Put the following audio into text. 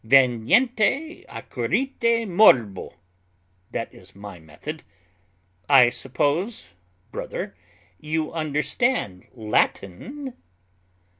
Veniente accurrite morbo: that is my method. I suppose, brother, you understand Latin?"